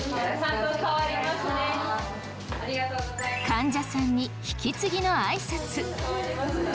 患者さんに引き継ぎの挨拶。